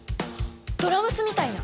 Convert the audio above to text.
ドラ娘みたいな？